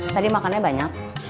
tadi makannya banyak